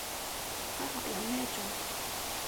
開學有咩做